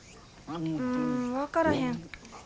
うん分からへん。